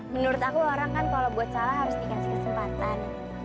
menurut aku orang kan kalau buat salah harus dikasih kesempatan